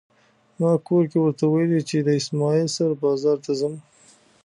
ما کور کې ورته ويلي دي چې له اسماعيل سره بازار ته ځم.